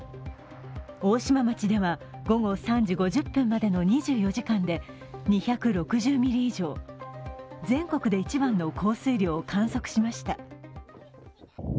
大島町では午後３時５０分までの２４時間で２６０ミリ以上、全国で一番の降水量を観測しました。